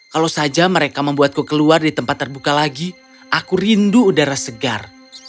kalau saja mereka membuatku keluar di tempat terbuka lagi aku rindu udara segar